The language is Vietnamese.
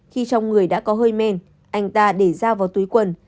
khi trong người đã có hơi men anh ta để dao vào túi quần